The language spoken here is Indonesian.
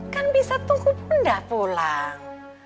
kan bisa tunggu bunda pulang